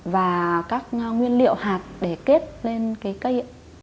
và các nguyên liệu hạt để kết lên cây